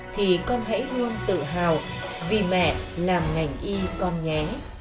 thì con hãy luôn tự hào vì mẹ làm ngành y con nhé